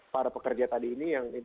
para pekerja tadi ini yang